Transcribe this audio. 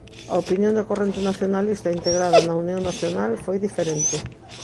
A opinión da corrente nacionalista integrada na Unión Nacional foi diferente.